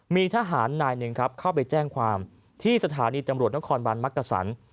มีทหารนายหนึ่งครับเข้าไปแจ้งความที่สถานีตำรวจนครบันมักกษัน